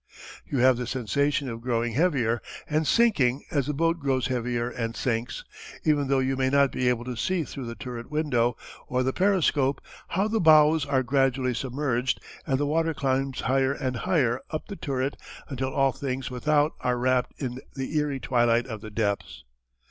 You have the sensation of growing heavier and sinking as the boat grows heavier and sinks, even though you may not be able to see through the turret window, or the periscope, how the bows are gradually submerged and the water climbs higher and higher up the turret until all things without are wrapped in the eerie twilight of the depths.